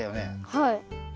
はい。